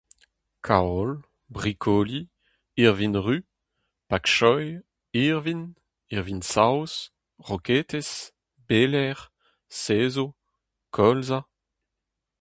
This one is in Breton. Kaol, brikoli, irvin-ruz, pak choï, irvin, irvin-saoz, roketez, beler, sezv, kolza…